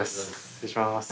失礼します。